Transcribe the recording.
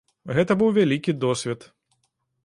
Гэта быў вялікі досвед.